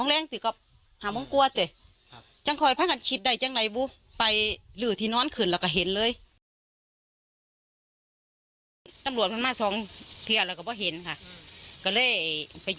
เราอาจจะหาเดยนป